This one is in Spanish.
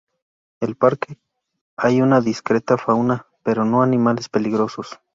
En el parque hay una discreta fauna, pero no animales peligrosos.